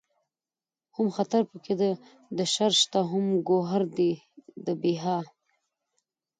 هم خطر پکې د شر شته هم گوهر دئ بې بها